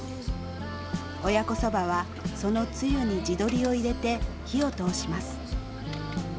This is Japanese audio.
親子そばはそのつゆに地鶏を入れて火を通します。